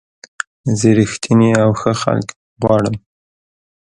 زه رښتیني او ښه خلک غواړم.